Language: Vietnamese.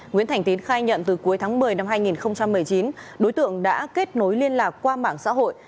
nguyễn thành tín khai nhận từ cuối tháng một mươi năm hai nghìn một mươi chín đối tượng đã kết nối liên lạc qua mạng xã hội